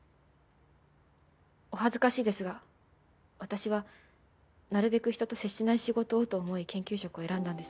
お恥ずかしいですが私はなるべく人と接しない仕事をと思い研究職を選んだんです。